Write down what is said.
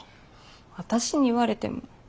私に言われても。